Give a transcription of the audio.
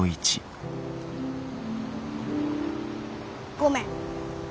ごめん。